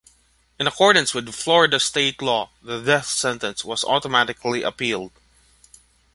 In accordance with Florida State Law, the death sentence was automatically appealed.